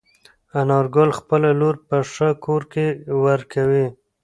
انارګل خپله لور په ښه کور کې ورکوي.